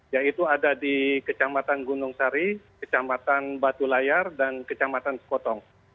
yaitu ada di kecamatan gunung sari kecamatan batu layar dan kecamatan sekotong